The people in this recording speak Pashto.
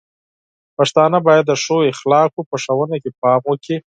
پښتانه بايد د ښو اخلاقو په ښوونه کې پام وکړي.